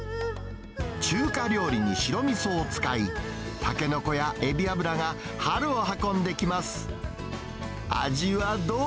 中華料理に白みそを使い、タケノコやエビ油が春を運んできます。